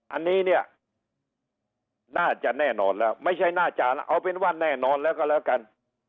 อันนี้เนี่ยน่าจะแน่นอนแล้วไม่ใช่น่าจะแล้วเอาเป็นว่าแน่นอนแล้วก็แล้วกัน